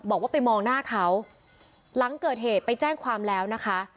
บอกว่าไปมองหน้าเขาหลังเกิดเหตุไปแจ้งความแล้วนะคะ